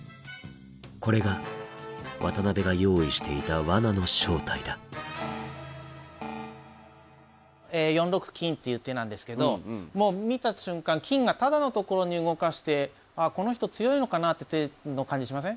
これが渡辺が用意していた罠の正体だ４六金という手なんですけどもう見た瞬間金がタダのところに動かしてこの人強いのかなって感じしません？